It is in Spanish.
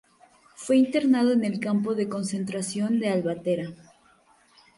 Fue internado en el campo de concentración de Albatera.